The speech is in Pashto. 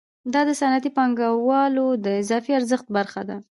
دا د صنعتي پانګوال د اضافي ارزښت برخه ده